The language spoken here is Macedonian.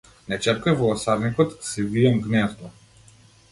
Не чепкај во осарникот, си вијам гнездо!